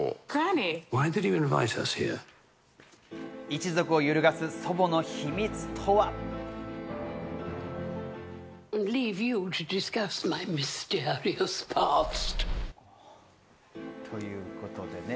一族を揺るがす祖母の秘密とは？ということです。